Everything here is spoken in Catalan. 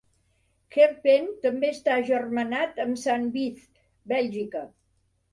Kerpen també està agermanat amb Sant Vith, Bèlgica.